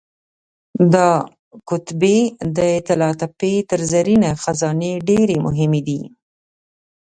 دا کتیبې د طلاتپې تر زرینې خزانې ډېرې مهمې دي.